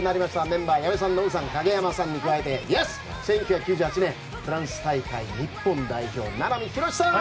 メンバー矢部さん、ノブさん影山さんに加えて１９９８年フランス大会日本代表、名波浩さん！